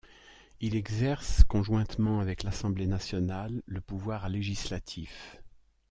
Il exerce, conjointement avec l'Assemblée nationale, le pouvoir législatif.